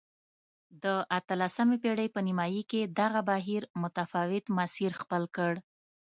د اتلسمې پېړۍ په نیمايي کې دغه بهیر متفاوت مسیر خپل کړ.